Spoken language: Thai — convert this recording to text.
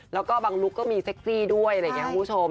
แล้วก็บางลุคก็มีเซ็กซี่ด้วยอะไรอย่างนี้คุณผู้ชม